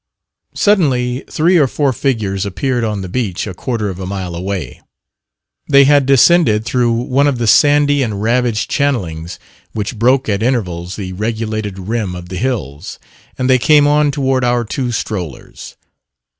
Suddenly three or four figures appeared on the beach, a quarter of a mile away. They had descended through one of the sandy and ravaged channelings which broke at intervals the regulated rim of the hills, and they came on toward our two strollers.